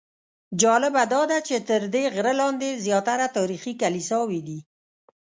جالبه داده چې تر دې غره لاندې زیاتره تاریخي کلیساوې دي.